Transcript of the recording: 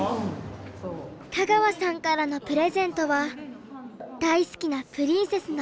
田川さんからのプレゼントは大好きなプリンセスのティアラ。